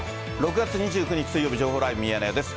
６月２９日水曜日、情報ライブミヤネ屋です。